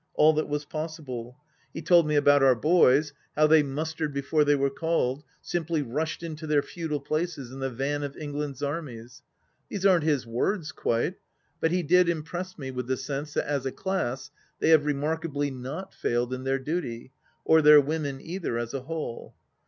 all that was possible. He told 188 THE LAST DITCH me about our boys, how they mustered before they were called — simply rushed in to their feudal places in the van of England's armies. These aren't his words, quite. ... But he did impress me with the sense that as a class they have remarkably not failed in their duty — or their women either as a whole.